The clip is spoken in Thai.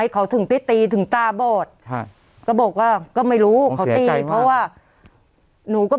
เขาไม่รู้เขาตีเพราะว่าหนูก็ไม่